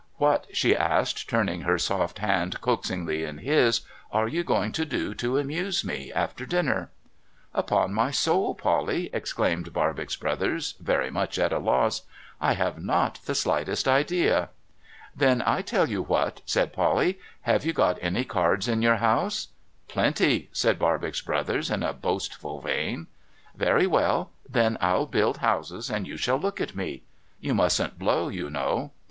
' What,' she asked, turning her soft hand coaxingly in his, ' are you going to do to amuse me after dinner ?'' Upon my soul, Polly,' exclaimed Barbox Brothers, very much at a loss, ' I have not the slightest idea !'' Then I tell you what,' said Polly. ' Have you got any cards at your house ?''' Plenty,' said Barbox Brothers in a boastful vein. * Very well. Then PU build houses, and you shall look at me. You mustn't blow, you know.'